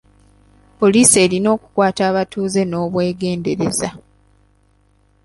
Poliisi erina okukwata abatuuze n'obwegendereza.